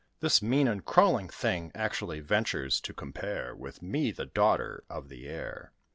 This mean and crawling thing Actually ventures to compare With me, the daughter of the air.